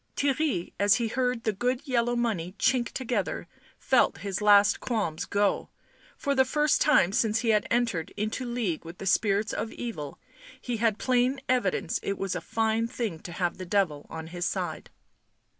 Theirry, as he heard the good yellow money chink together, felt his last qualms go ; for the first time since he had entered into league with the spirits of evil he had plain evidence it was a fine thing to have the Devil on his side.